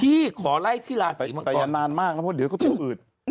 พี่ขอไล่ที่ลาศรีมังกรแต่ยันนานมากแล้วเดี๋ยวเขาต้องอืด